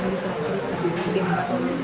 kalau konfirmasi langsung dari kantor pajak